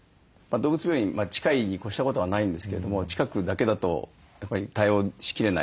動物病院近いに越したことはないんですけれども近くだけだとやっぱり対応しきれない。